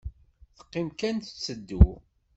Teqqim kan tetteddu.